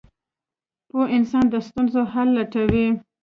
• پوه انسان د ستونزو حل لټوي.